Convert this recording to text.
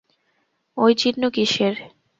ঐ চিহ্ন কিসের?